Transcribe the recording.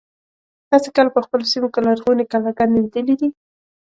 تاسې کله په خپلو سیمو کې لرغونې کلاګانې لیدلي دي.